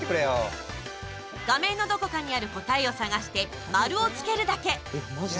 画面のどこかにある答えを探して丸をつけるだけ。